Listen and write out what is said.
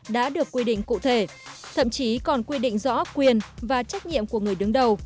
đã được quy định cụ thể thậm chí còn quy định rõ quyền và trách nhiệm của người đứng đầu